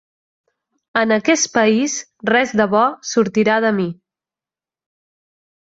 En aquest país res de bo sortirà de mi.